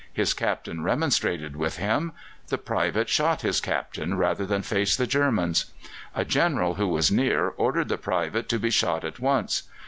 His Captain remonstrated with him; the private shot his Captain rather than face the Germans. A General who was near ordered the private to be shot at once.